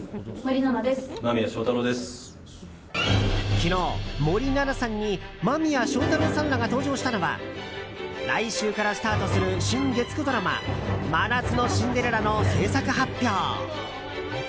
昨日、森七菜さんに間宮祥太朗さんらが登場したのは来週からスタートする新月９ドラマ「真夏のシンデレラ」の制作発表。